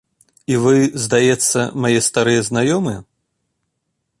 І вы, здаецца, мае старыя знаёмыя?